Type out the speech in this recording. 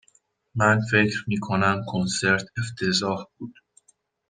من فکر می کنم کنسرت افتضاح بود.